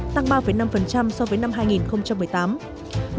tăng ba năm so với năm hai nghìn một mươi tám